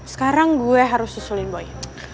sekarang gue harus susulin buye